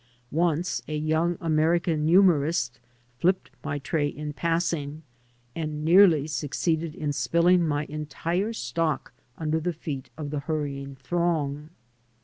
Once a young American humorist flipped my tray in passing, and nearly succeeded in spill ing my entire stock under the feet of the hurrying throng.